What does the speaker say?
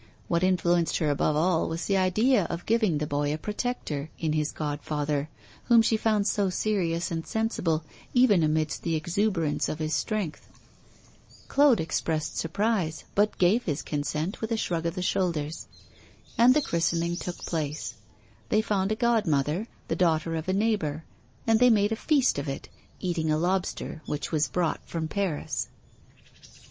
What influenced her above all was the idea of giving the boy a protector in this godfather, whom she found so serious and sensible, even amidst the exuberance of his strength. Claude expressed surprise, but gave his consent with a shrug of the shoulders. And the christening took place; they found a godmother, the daughter of a neighbour, and they made a feast of it, eating a lobster, which was brought from Paris.